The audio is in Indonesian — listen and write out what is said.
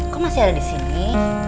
kok masih ada disini